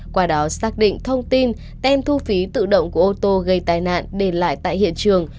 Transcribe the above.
qua đó xác định thông tin tem thu phí tự động của ô tô gây tai nạn để lại tại hiện trường